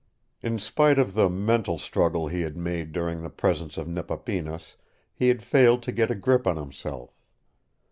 In spite of the mental struggle he had made during the presence of Nepapinas, he had failed to get a grip on himself.